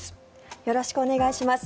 よろしくお願いします。